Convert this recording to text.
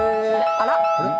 あら？